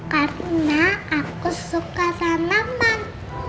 karena aku suka tanaman